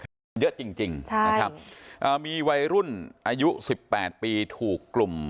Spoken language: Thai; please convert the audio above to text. คือมันเยอะจริงจริงใช่นะครับอ่ามีวัยรุ่นอายุสิบแปดปีถูกกลุ่ม